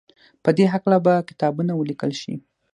په دې هکله به کتابونه وليکل شي.